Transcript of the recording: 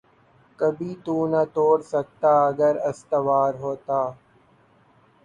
کبھی تو نہ توڑ سکتا اگر استوار ہوتا